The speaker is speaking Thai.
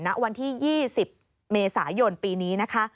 ณวันที่๒๐เมษายนปีนี้นะคะ